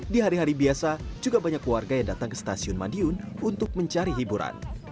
di hari hari biasa juga banyak warga yang datang ke stasiun madiun untuk mencari hiburan